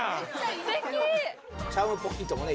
すてきチャームポイントもね